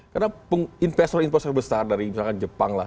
karena investor investor besar dari misalkan jepang lah